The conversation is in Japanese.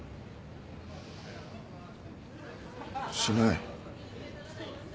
しない。